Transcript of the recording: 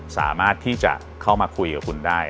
สามารถที่จะเข้ามาคุยกับคุณได้